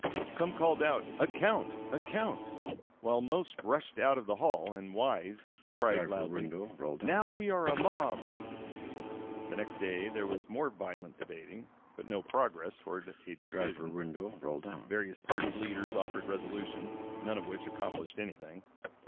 Some called out "a count! a count!" while most rushed out of the hall, and Wise cried loudly, "Now we are a mob!" The next day there was more violent debating, but no progress towards a decision. Various party leaders offered resolutions, none of which accomplished anything.